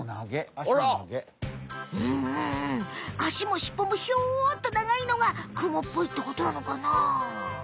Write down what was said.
うん足もしっぽもひょっと長いのがクモっぽいってことなのかなあ。